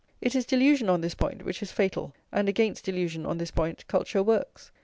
It is delusion on this point which is fatal, and against delusion on this point culture works.